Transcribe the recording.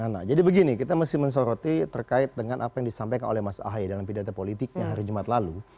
nah jadi begini kita mesti mensoroti terkait dengan apa yang disampaikan oleh mas ahaye dalam pidato politiknya hari jumat lalu